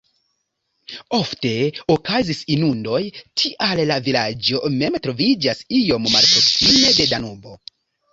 Ofte okazis inundoj, tial la vilaĝo mem troviĝas iom malproksime de Danubo.